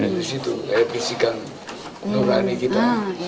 disitu kayak bisikan nurani kita